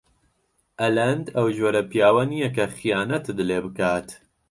ئەلەند ئەو جۆرە پیاوە نییە کە خیانەتت لێ بکات.